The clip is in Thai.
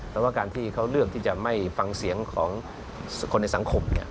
แต่ว่าการที่เขาเลือกที่จะไม่ฟังเสียงของคนในสังคม